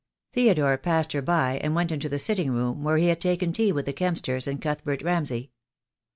Theodore passed her by and went into the sitting room where he had taken tea with the Kempsters and Cuthbert Ramsay.